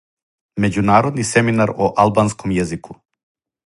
Међународни семинар о албанском језику.